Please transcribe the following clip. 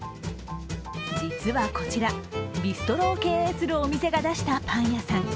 実はこちら、ビストロを経営するお店が出したパン屋さん。